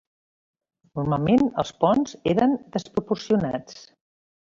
Normalment els ponts eren desproporcionats.